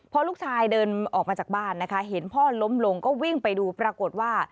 พอลูกชายเดินออกมาจากบ้านนะคะเห็นพ่อล้มลงก็วิ่งไปดูปรากฏว่า